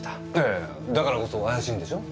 ええだからこそ怪しいんでしょ？